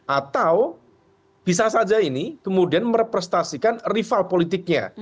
atau bisa saja ini kemudian merepresentasikan rival politiknya